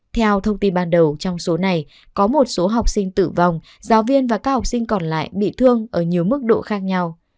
theo thông tin ban đầu trong số này có một số học sinh tử vong giáo viên và các học sinh còn lại bị thương ở nhiều mức độ khác nhau